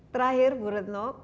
terakhir bu retno